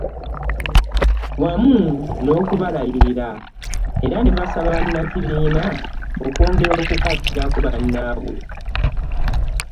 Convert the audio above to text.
Wamu n'okubalabirira era ne basaba bannakibiina okwongera okukwatirako bannaabwe.